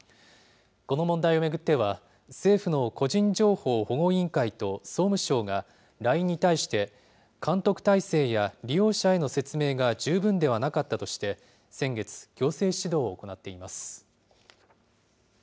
この問題を巡っては、政府の個人情報保護委員会と総務省が、ＬＩＮＥに対して、監督体制や利用者への説明が十分ではなかったとして、先月、行政指導を行っています。